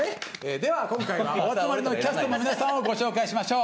では今回お集まりのキャストの皆さんをご紹介しましょう。